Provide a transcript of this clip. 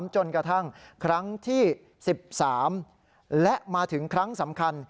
จนกระทั่งครั้งที่๑๓และมาถึงครั้งสำคัญ